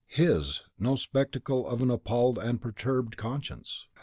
His, no spectacle of an appalled and perturbed conscience!